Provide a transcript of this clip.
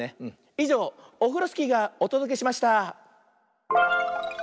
いじょうオフロスキーがおとどけしました！